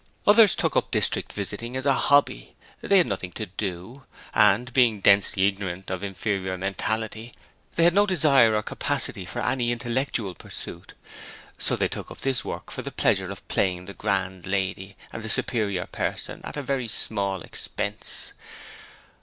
Others took up district visiting as a hobby; they had nothing to do, and being densely ignorant and of inferior mentality, they had no desire or capacity for any intellectual pursuit. So they took up this work for the pleasure of playing the grand lady and the superior person at a very small expense.